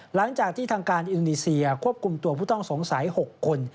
หลังจากที่ทางการอินโดนีเซียควบคุมตัวผู้ต้องสงสัย๖คน